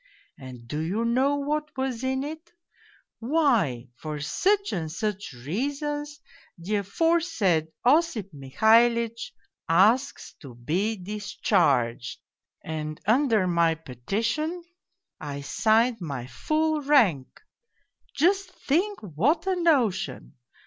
And do you know what was in it ? Why, ' for such and such reasons the aforesaid ()>ip Mihalitch asks to be discharged,' and under my petition I signed my full rank! Just think what a notion!